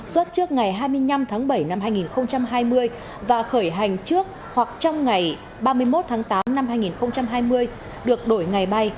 xuất trước ngày hai mươi năm tháng bảy năm hai nghìn hai mươi và khởi hành trước hoặc trong ngày ba mươi một tháng tám năm hai nghìn hai mươi được đổi ngày bay